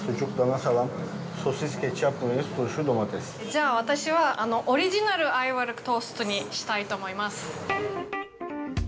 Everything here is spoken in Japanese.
じゃあ、私はオリジナルアイヴァルックトーストにしたいと思います。